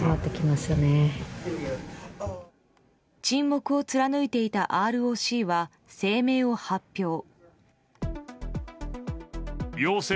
沈黙を貫いていたＲＯＣは声明を発表。